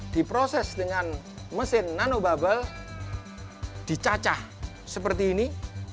diproses dengan mesin nanobubble dicacah seperti ini